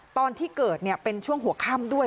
ตอนที่เกิดเป็นช่วงหัวค่ำด้วย